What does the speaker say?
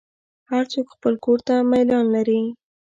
هر څوک خپل کور ته میلان لري.